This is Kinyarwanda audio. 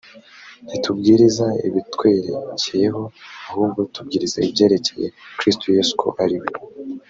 ntitubwiriza ibitwerekeyeho ahubwo tubwiriza ibyerekeye kristo yesu ko ari we